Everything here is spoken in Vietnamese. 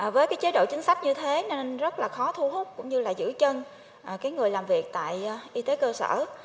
với chế độ chính sách như thế nên rất khó thu hút cũng như giữ chân người làm việc tại y tế cơ sở